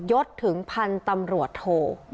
ยดถึงพันตำรวจโท